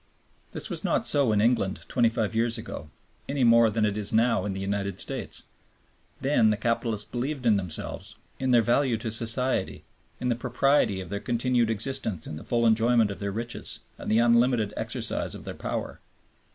This was not so in England twenty five years ago, any more than it is now in the United States. Then the capitalists believed in themselves, in their value to society, in the propriety of their continued existence in the full enjoyment of their riches and the unlimited exercise of their power.